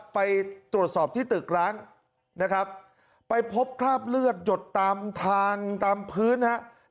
ไปตรวจสอบที่ตึกร้างนะครับไปพบคราบเลือดหยดตามทางตามพื้นนะครับ